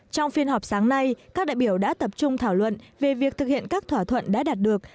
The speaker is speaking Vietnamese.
trong phiên họp sáng nay các đại biểu đã tập trung thảo luận về việc thực hiện các thỏa thuận đã đạt được